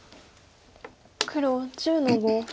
黒１０の五。